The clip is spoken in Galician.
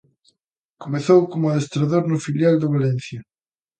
Comezou como adestrador no filial do Valencia.